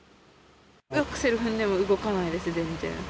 アクセル踏んでも動かないです、全然。